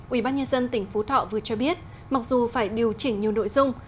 ủy ban nhân dân tỉnh phú thọ vừa cho biết mặc dù phải điều chỉnh nhiều nội dung